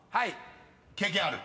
［経験ある？］